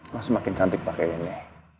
masih makin cantik pake gini